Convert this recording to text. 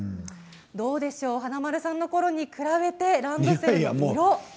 どうでしょうか、華丸さんのころに比べてランドセルの色。